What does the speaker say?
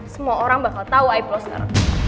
semua orang bakal tau i'm closer